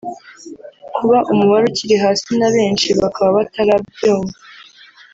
Kuba umubare ukiri hasi na benshi bakaba batarabyumva